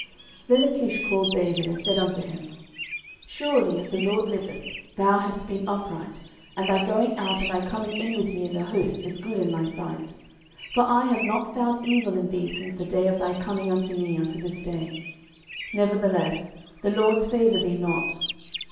09:029:006 Then Achish called David, and said unto him, Surely, as the LORD liveth, thou hast been upright, and thy going out and thy coming in with me in the host is good in my sight: for I have not found evil in thee since the day of thy coming unto me unto this day: nevertheless the lords favour thee not.